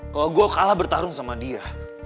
kalau gue kalah bertarung sama dia